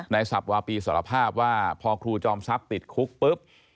สับวาปีสารภาพว่าพอครูจอมทรัพย์ติดคุกปุ๊บ